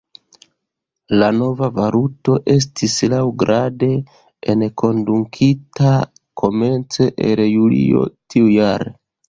La nova valuto estis laŭgrade enkondukita komence el Julio tiujare.